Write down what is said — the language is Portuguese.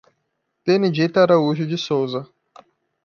Benedita Araújo de Sousa